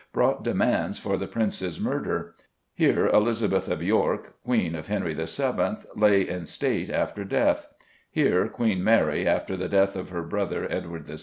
brought demands for the Princes' murder; here Elizabeth of York, Queen of Henry VII., lay in state after death; here Queen Mary, after the death of her brother, Edward VI.